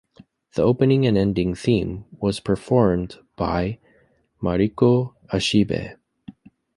The opening and ending theme, and was performed by Mariko Ashibe.